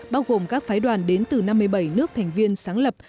bao gồm các phái đoàn đến từ năm mươi bảy nước thành viên sáng lập